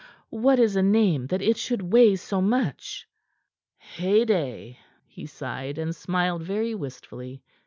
What is a name that it should weigh so much?" "Heyday!" He sighed, and smiled very wistfully.